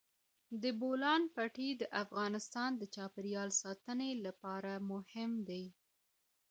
د بولان پټي د افغانستان د چاپیریال ساتنې لپاره مهم دي.